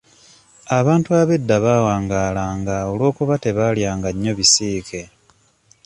Abantu ab'edda bawangaalanga olw'okuba tebaalyanga nnyo bisiike.